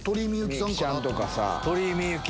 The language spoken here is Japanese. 鳥居みゆき！